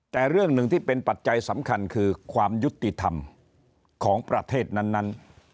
แต่เรื่องหนึ่งที่เป็นปัจจัยสำคัญคือความยุติธรรมของประเทศนั้น